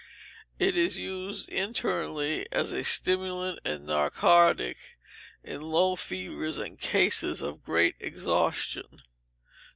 It is used internally as a stimulant and narcotic in low fevers and cases of great exhaustion.